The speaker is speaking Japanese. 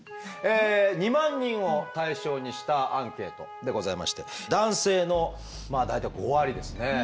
２万人を対象にしたアンケートでございまして男性の大体５割ですね